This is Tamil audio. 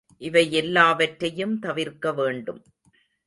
இவையெல்லாவற்றையும் தவிர்க்க வேண்டும்.